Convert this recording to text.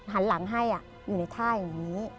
หันหลังให้อยู่ในท่าอย่างนี้